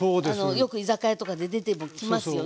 よく居酒屋とかで出てきますよね。